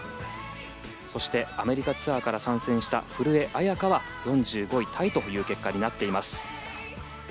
そして、アメリカツアーから参戦した古江彩佳は４５位タイという結果になっています。